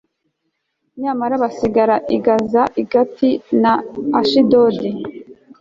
nyamara basigara i gaza, i gati na ashidodi